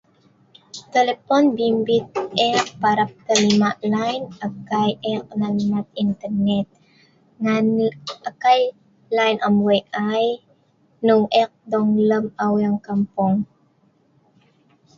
telepon bimbit eek parap terima lain, akai eek nan mat internet ngan akai lain am wei' ai hnung eek dong lem aweng kampong